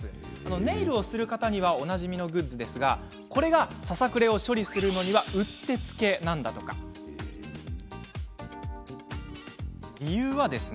ネイルをする人にはおなじみのグッズですがこれがささくれを処理するのにはうってつけなんだそうです。